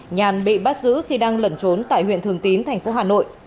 nhàn bị bắt giữ khi đang lẩn trốn tại huyện thường tín thành phố hà nội